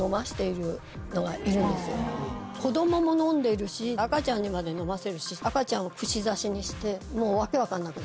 子供も飲んでるし赤ちゃんにまで飲ませるし赤ちゃんを串刺しにしてもう訳分かんなくなっちゃってる。